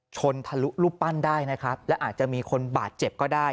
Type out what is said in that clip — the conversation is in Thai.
ทะลุรูปปั้นได้นะครับและอาจจะมีคนบาดเจ็บก็ได้